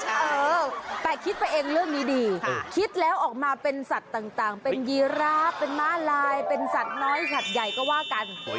เออแต่คิดไปเองเรื่องนี้ดีคิดแล้วออกมาเป็นสัตว์ต่างเป็นยีราฟเป็นม้าลายเป็นสัตว์น้อยสัตว์ใหญ่ก็ว่ากัน